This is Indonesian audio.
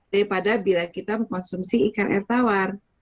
daripada bila kita mengkonsumsi ikan air tawar